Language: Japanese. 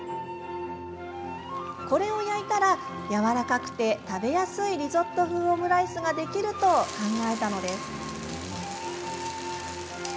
これを焼いたらやわらかくて食べやすいリゾット風オムライスができると考えたのです。